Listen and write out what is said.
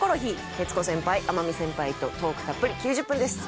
徹子先輩天海先輩とトークたっぷり９０分です。